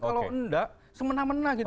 kalau enggak semena mena gitu